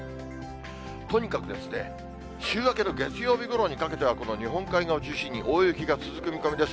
とにかく週明けの月曜日ごろにかけては、この日本海側を中心に、大雪が続く見込みです。